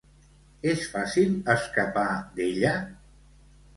És fàcil escapar d'ella?